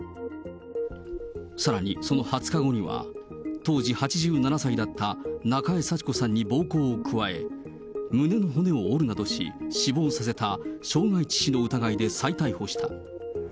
さらにその２０日後には、当時８７歳だった中江幸子さんに暴行を加え、胸の骨を折るなどし、死亡させた傷害致死の疑いで再逮捕した。